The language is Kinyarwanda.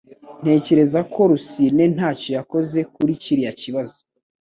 Ntekereza ko Rusine ntacyo yakoze kuri kiriya kibazo